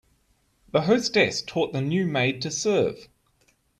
The hostess taught the new maid to serve.